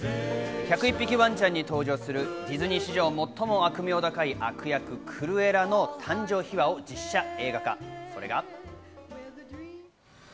『１０１匹わんちゃん』に登場するディズニー史上、最も悪名高い悪役・クルエラの誕生秘話を実写映画化、それが。